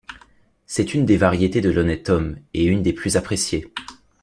C’est une des variétés de l’honnête homme, et une des plus appréciées.